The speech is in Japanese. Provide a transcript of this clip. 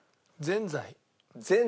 ぜんざい。